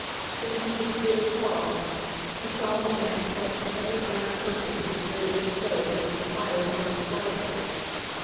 Then, to Lucile's horror, she saw the man thrust a heavy iron poker through the grate of the stove in which a fire burned brightly.